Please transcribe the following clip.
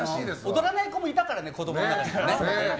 踊らない子もいたからね子供の中には。